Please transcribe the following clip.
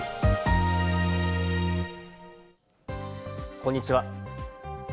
こんにちは。